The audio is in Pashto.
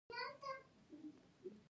ایا ډاډه شوئ؟